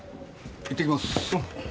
行ってきます。